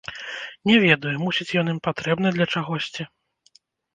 Не ведаю, мусіць ён ім патрэбны для чагосьці.